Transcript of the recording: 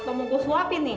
atau mau gue suapin nih